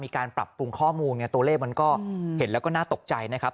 มีการปรับปรุงข้อมูลไงตัวเลขมันก็เห็นแล้วก็น่าตกใจนะครับ